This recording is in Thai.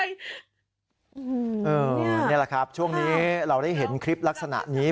นี่แหละครับช่วงนี้เราได้เห็นคลิปลักษณะนี้